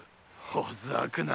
ほざくな！